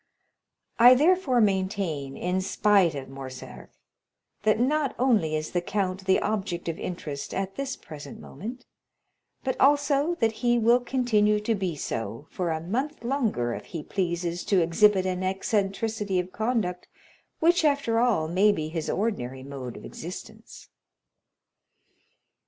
I therefore maintain, in spite of Morcerf, that not only is the count the object of interest at this present moment, but also that he will continue to be so for a month longer if he pleases to exhibit an eccentricity of conduct which, after all, may be his ordinary mode of existence."